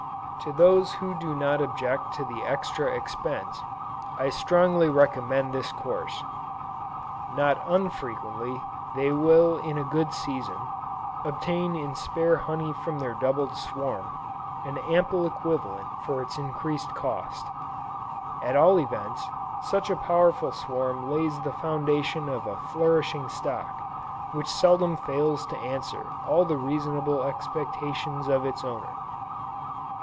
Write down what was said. To those who do not object to the extra expense, I strongly recommend this course. Not unfrequently, they will in a good season, obtain in spare honey from their doubled swarm, an ample equivalent for its increased cost: at all events, such a powerful swarm lays the foundations of a flourishing stock, which seldom fails to answer all the reasonable expectations of its owner.